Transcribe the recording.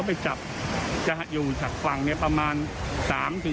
ปัญญาทั้งมาก